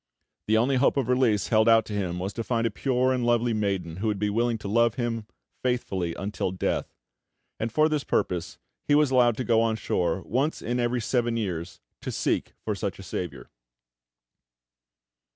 The only hope of release held out to him was to find a pure and lovely maiden who would be willing to love him faithfully until death; and for this purpose he was allowed to go on shore once in every seven years to seek for such a saviour.